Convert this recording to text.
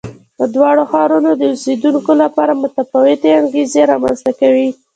د دواړو ښارونو د اوسېدونکو لپاره متفاوتې انګېزې رامنځته کوي.